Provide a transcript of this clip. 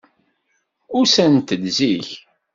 Usant-d zik.